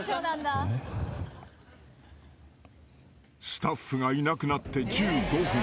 ［スタッフがいなくなって１５分。